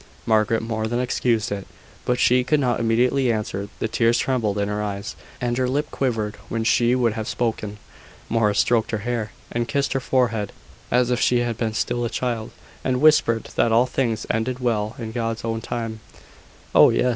Margaret more than excused it, but she could not immediately answer. The tears trembled in her eyes, and her lip quivered when she would have spoken. Morris stroked her hair, and kissed her forehead, as if she had been still a child, and whispered that all things ended well in God's own time. "Oh, yes!